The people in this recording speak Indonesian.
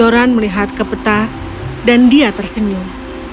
joran melihat ke peta dan dia tersenyum